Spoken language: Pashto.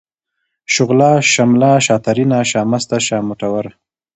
شغله ، شمله ، شاترينه ، شامسته ، شامتوره ،